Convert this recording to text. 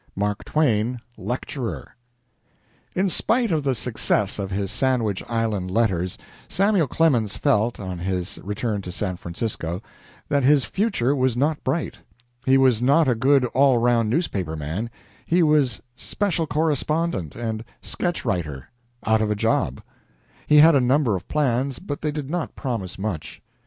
MARK TWAIN, LECTURER In spite of the success of his Sandwich Island letters, Samuel Clemens felt, on his return to San Francisco, that his future was not bright. He was not a good, all round newspaper man he was special correspondent and sketch writer, out of a job. He had a number of plans, but they did not promise much.